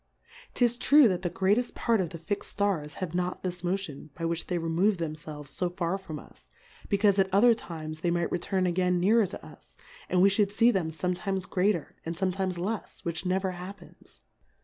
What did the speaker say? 'Tis true that the greateft Part of the lix'd Stars have not this Motion, by which they remove themfelves fo tar from us, be caufe at other times they might return again nearer to us, and we Ihould fee them fom.etimes greater, and fome times lefs, which never happens.